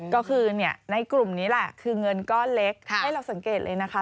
ก็คือในกลุ่มนี้แหละคือเงินก้อนเล็กให้เราสังเกตเลยนะคะ